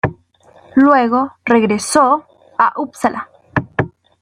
Luego regresó a Upsala.